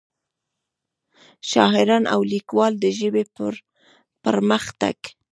شاعران او ليکوال دَ ژبې پۀ پرمخ تګ